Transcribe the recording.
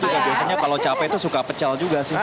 biasanya kalau capek itu suka pecel juga sih